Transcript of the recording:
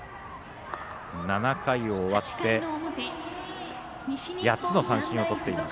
７回終わって８つの三振をとっています。